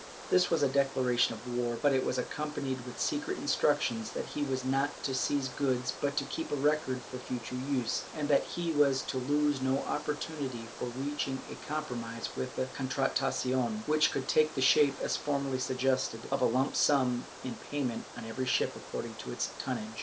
This was a declaration of war, but it was accompanied with secret instructions that he was not to seize goods but to keep a record for future use, and that he was to lose no opportunity of reaching a compromise with the Contratacion, which could take the shape, as formerly suggested, of a lump sum in payment on every ship according to its tonnage.